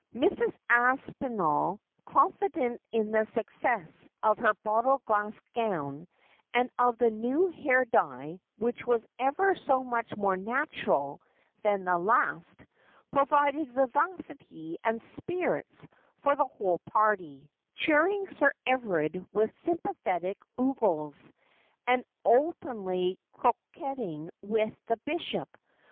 Mrs. Aspinall, confident in the success of her bottle glass gown, and of that new hair dye which was ever so much more natural than the last, provided vivacity and spirits for the whole party, cheering Sir Everard with sympathetic ogles, Thicker than Water 357 and openly c^uetting with the bishop.